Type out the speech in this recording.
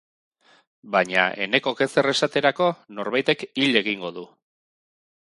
Baina Enekok ezer esaterako norbaitek hil egingo du.